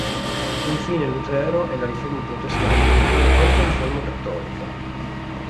Infine Lutero e la Riforma protestante, con la Controriforma cattolica.